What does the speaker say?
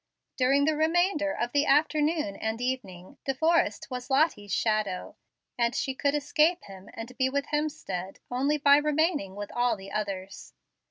During the remainder of the afternoon and evening, De Forrest was Lottie's shadow, and she could escape him, and be with Hemstead, only by remaining with all the others.